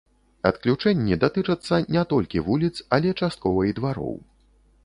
Адключэнні датычацца не толькі вуліц, але часткова і двароў.